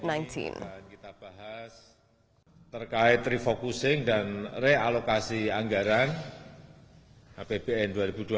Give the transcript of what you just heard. dan kita bahas terkait refocusing dan realokasi anggaran apbn dua ribu dua puluh